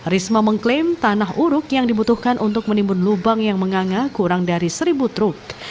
risma mengklaim tanah uruk yang dibutuhkan untuk menimbun lubang yang menganga kurang dari seribu truk